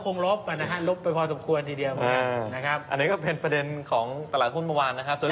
คงลบแหละ